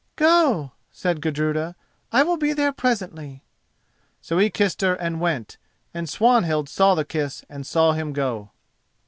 "Go!" said Gudruda; "I will be there presently!" So he kissed her and went, and Swanhild saw the kiss and saw him go.